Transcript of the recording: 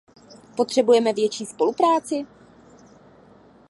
Potřebujeme větší spolupráci?